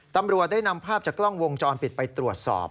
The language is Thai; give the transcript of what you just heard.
ตำรวจได้นำภาพจากกล้องวงจรปิดไปตรวจสอบ